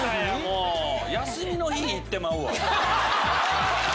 休みの日行ってまうわ。